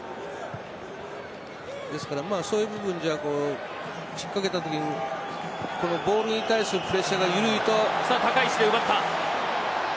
ですから、そういう部分じゃ引っかけたときにボールに対するプレッシャーが緩いと。